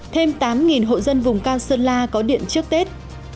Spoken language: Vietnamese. thêm tám hộ dân vùng cao sơn la có điện trước tết